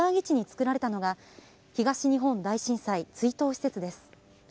地に作られたのが東日本大震災追悼施設です。